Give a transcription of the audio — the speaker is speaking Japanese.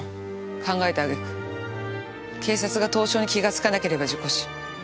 考えた揚げ句警察が凍傷に気がつかなければ事故死。